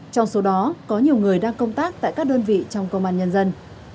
trong số đó có nhiều người đang công tác tại các đơn vị trong công an nhân dân